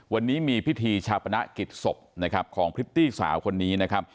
วันนี้มีพิธีชาปนกิจศพนะครับของพริตตี้สาวคนนี้นะครับ